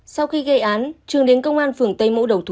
sau khi gây án trường đến công an phường tây mẫu đầu thú